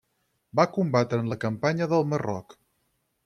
Va combatre en la campanya del Marroc.